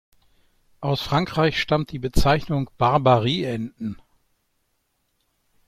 Aus Frankreich stammt die Bezeichnung "Barbarie-Enten".